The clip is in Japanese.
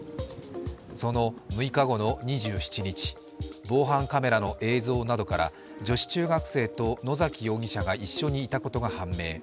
その６日後の２７日防犯カメラの映像などから女子中学生と、野崎容疑者が一緒にいたことが判明。